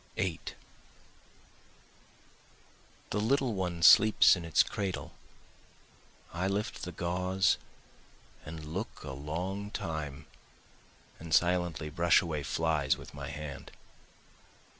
8 The little one sleeps in its cradle, I lift the gauze and look a long time, and silently brush away flies with my hand.